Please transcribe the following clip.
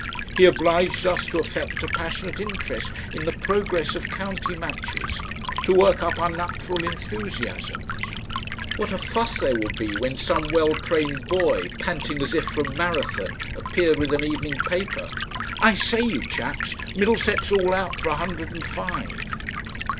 He obliged us to affect a passionate interest in the progress of county matches, to work up unnatural enthusiasms. What a fuss there would be when some well trained boy, panting as if from Marathon, appeared with an evening paper! "I say, you chaps, Middlesex all out for a hundred and five!"